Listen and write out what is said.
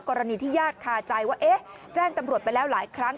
กรณีที่ญาติคาใจว่าเอ๊ะแจ้งตำรวจไปแล้วหลายครั้ง